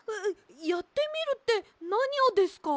やってみるってなにをですか？